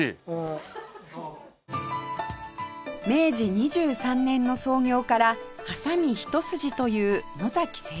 明治２３年の創業からはさみ一筋という野製作所